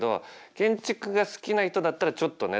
建築が好きな人だったらちょっとね